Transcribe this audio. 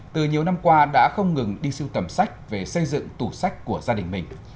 từ nhiều năm qua đã không ngừng đi siêu tầm sách về xây dựng tủ sách của gia đình mình